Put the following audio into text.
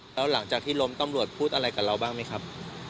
แล้วหลังจากที่ล้มตำรวจพูดอะไรกับเราบ้างไหมครับ